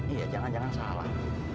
iya jangan jangan salah